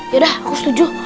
ya udah aku setuju